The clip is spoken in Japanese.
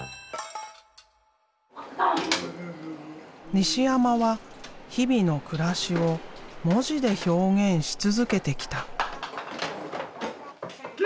西山は日々の暮らしを文字で表現し続けてきた。